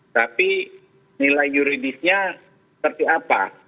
tapi nilai yuridisnya seperti apa